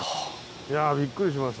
いやびっくりしました。